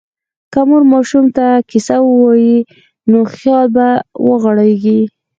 که مور ماشوم ته کیسه ووایي، نو خیال به وغوړېږي.